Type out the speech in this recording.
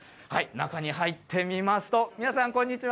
中に入ってみますと、皆さん、こんにちは。